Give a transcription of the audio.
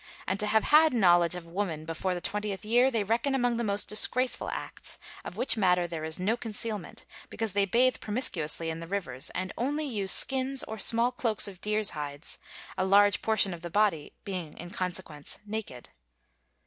And to have had knowledge of a woman before the twentieth year they reckon among the most disgraceful acts; of which matter there is no concealment, because they bathe promiscuously in the rivers and only use skins or small cloaks of deer's hides, a large portion of the body being in consequence naked.